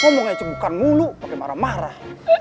ngomongnya cebukan mulu pake marah marah